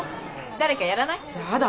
誰かやらない？